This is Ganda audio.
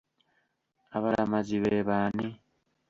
Abalamazi be b'ani?